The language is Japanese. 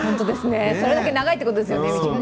それだけ長いってことですよね、道が。